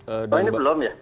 oh ini belum ya